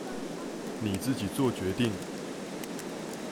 你自己作決定